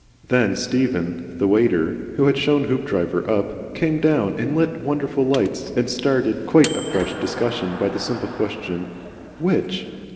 Then Stephen, the waiter, who had shown Hoopdriver up, came down and lit wonderful lights and started quite a fresh discussion by the simple question "WHICH?"